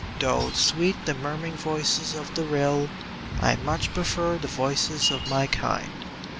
Though sweet the murmuring voices of the rill, I much prefer the voices of my kind.